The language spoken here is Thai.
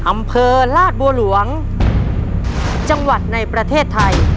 อำเภอลาดบัวหลวงจังหวัดในประเทศไทย